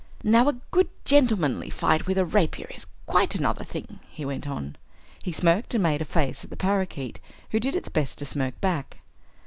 "Now, a good gentlemanly fight with a rapier is quite another thing," he went on. He smirked and made a face at the parakeet who did its best to smirk back.